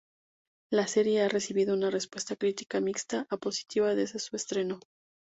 La serie ha recibido una respuesta crítica mixta a positiva desde su estreno.